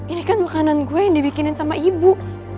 ini kan makanan gue yang dibikinin sama ibu